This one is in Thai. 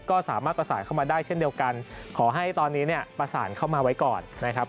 ก็สามารถประสานเข้ามาได้เช่นเดียวกันขอให้ตอนนี้เนี่ยประสานเข้ามาไว้ก่อนนะครับ